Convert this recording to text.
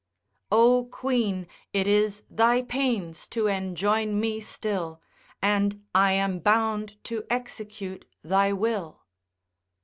O queen it is thy pains to enjoin me still, And I am bound to execute thy will.